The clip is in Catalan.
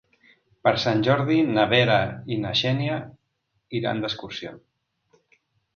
Per Sant Jordi na Vera i na Xènia iran d'excursió.